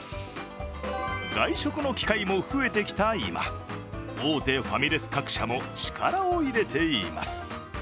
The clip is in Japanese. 外食の機会も増えてきた今、大手ファミレス各社も力を入れています。